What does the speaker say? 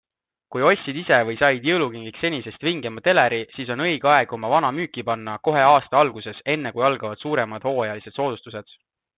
Kui ostsid ise või said jõulukingiks senisest vingema teleri, siis on õige aeg oma vana müüki panna kohe aasta alguses, enne kui algavad suuremad hooajalised soodustused.